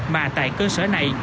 mà tại cơ sở này